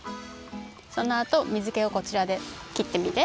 そのあと水けをこちらできってみて。